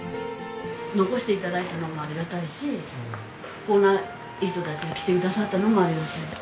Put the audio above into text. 残して頂いたのもありがたいしこんないい人たちが来てくださったのもありがたい。